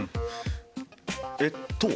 えっと